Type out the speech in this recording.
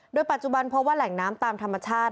โดยปัจจุบันเพราะว่าแหล่งน้ำตามธรรมชาติ